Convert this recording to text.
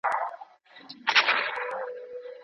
حکومت د ډیپلوماتیکو کارکوونکو پر وړاندي بې غوري نه کوي.